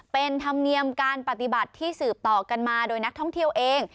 เป็นธรรมเนียมการปฏิบัติที่สืบต่อกันมาโดยนักท่องเที่ยวเอง